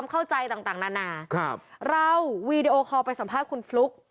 แล้ววีดีโอคอลไปสัมภาษณ์คนฟลุ๊ก